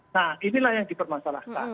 nah inilah yang dipermasalahkan